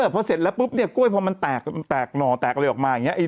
พอเสร็จแล้วปุ๊บเนี่ยกล้วยพอมันแตกหน่อแตกอะไรออกมาอย่างนี้